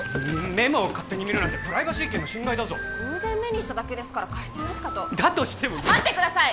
メモを勝手に見るなんてプライバシー権の侵害だぞ偶然目にしただけですから過失なしかとだとしても待ってください